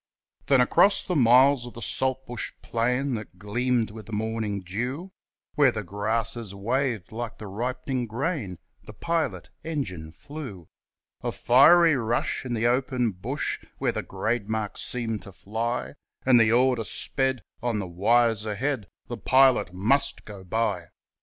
Then across the miles of the saltbush plain That gleamed with the morning dew, Where the grasses waved like the ripening grain The pilot engine flew, A fiery rush in the open bush Where the grade marks seemed to fly, And the order sped on the wires ahead, The pilot MUST go by.